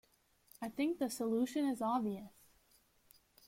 I think the solution is obvious.